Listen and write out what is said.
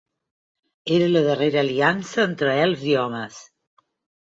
Era la Darrera Aliança entre Elfs i Homes.